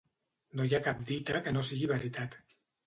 No hi ha cap dita que no sigui veritat.